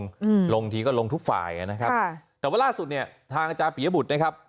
อืมลงทีก็ลงทุกฝ่ายอ่ะนะครับค่ะแต่ว่าล่าสุดเนี้ยทางอาจารย์ปียบุตรนะครับ